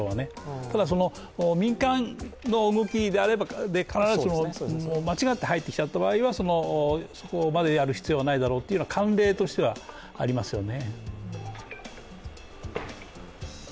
ただ、民間の動きであれば、間違って葉言ってきた場合は、そこまでやる必要はないだろうという慣例としてはありますよね。